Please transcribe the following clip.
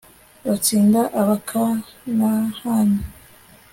batsinda abakanahani